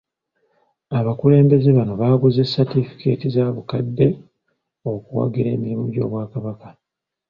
Abakulembeze bano baaguze Satifikeeti za bukadde okuwagira emirimu gy'Obwakabaka.